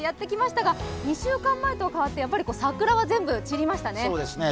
２週間前と変わって、桜は全部散りましたね。